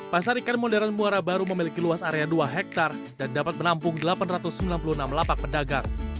pasar ikan modern muara baru memiliki luas area dua hektare dan dapat menampung delapan ratus sembilan puluh enam lapak pedagang